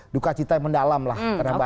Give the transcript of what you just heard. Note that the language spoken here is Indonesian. dukacita yang mendalam lah